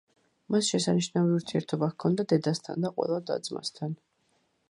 მას შესანიშნავი ურთიერთობა ჰქონდა დედასთან და ყველა და-ძმასთან.